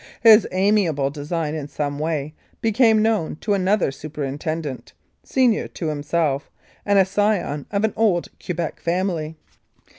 His amiable design in some way became known to another superintendent, senior to himself, and a scion of an old Quebec family.